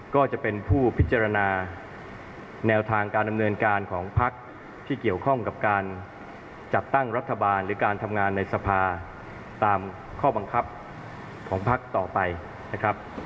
ก็จะเป็นผู้พิจารณาแนวทางการดำเนินการของพักที่เกี่ยวข้องกับการจัดตั้งรัฐบาลหรือการทำงานในสภาตามข้อบังคับของพักต่อไปนะครับ